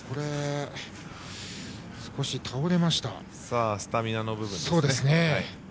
さあ、スタミナの部分です。